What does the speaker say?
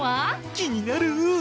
気になる！